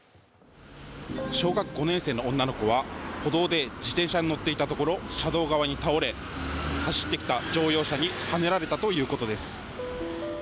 小学５年生の女の子は歩道で自転車に乗っていたところ車道側に倒れ走ってきた乗用車にはねられたということです。